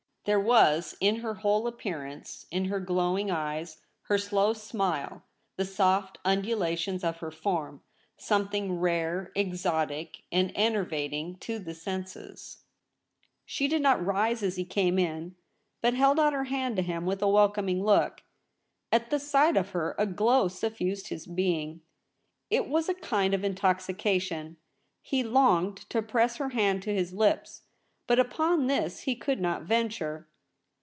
There was in her whole appearance — in her glowing eyes, her slow smile, the soft undulations of her form, something rare, exotic, and enervating 2i8 THE REBEL ROSE. to the senses. She did not rise as he came in, but held out her hand to him with a wel coming look. At the sight of her a glow suffused his being. It was a kind of intoxica tion. He longed to press her hand to his lips; but upon this he could not venture.